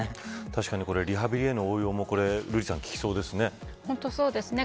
確かにリハビリへの応用も利きそうですね。